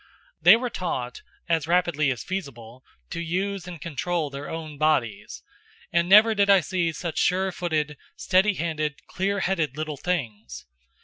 They were taught, as rapidly as feasible, to use and control their own bodies, and never did I see such sure footed, steady handed, clear headed little things.